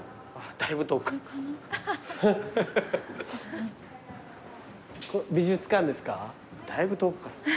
だいぶ遠くから。